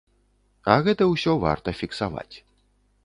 А гэта ўсё варта фіксаваць.